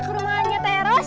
ke rumahnya teres